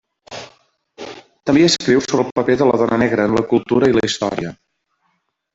També escriu sobre el paper de la dona negra en la cultura i la història.